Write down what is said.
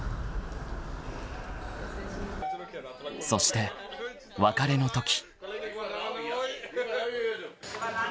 ［そして別れのとき］